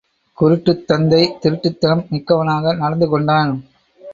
குருட்டுத் தந்தை திருட்டுத்தனம் மிக்கவனாக நடந்து கொண்டான்.